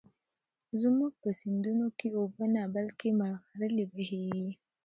زموږ په سيندونو کې اوبه نه، بلكې ملغلرې بهېږي.